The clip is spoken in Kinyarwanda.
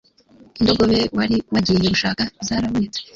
indogobe wari wagiye gushaka zarabonetse